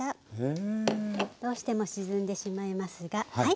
どうしても沈んでしまいますがはい。